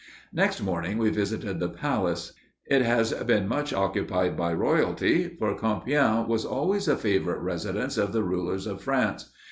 Next morning we visited the palace. It has been much occupied by royalty, for Compiègne was always a favorite residence of the rulers of France.